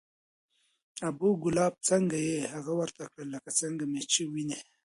ابو کلاب څنګه یې؟ هغه ورته کړه لکه څنګه مې چې وینې،